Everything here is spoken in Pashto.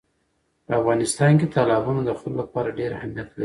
په افغانستان کې تالابونه د خلکو لپاره ډېر اهمیت لري.